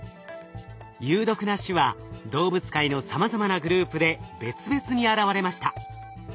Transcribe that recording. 有毒な種は動物界のさまざまなグループで別々に現れました。